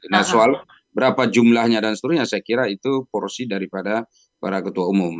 nah soal berapa jumlahnya dan seterusnya saya kira itu porsi daripada para ketua umum